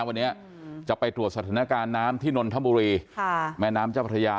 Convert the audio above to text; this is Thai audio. วันนี้จะไปตรวจสถานการณ์น้ำที่นนทบุรีแม่น้ำเจ้าพระยา